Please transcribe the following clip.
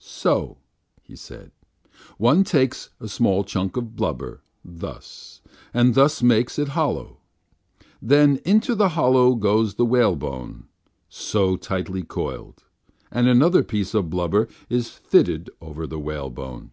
"So," he said, "one takes a small chunk of blubber, thus, and thus makes it hollow. Then into the hollow goes the whalebone, so, tightly coiled, and another piece of blubber is fitted over the whale bone.